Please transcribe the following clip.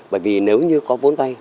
bởi vì nếu như có vốn vay